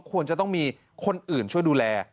ควรจะต้องมีคนอื่นช่วยดูแล